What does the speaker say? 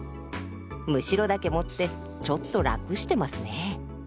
むしろだけ持ってちょっと楽してますね。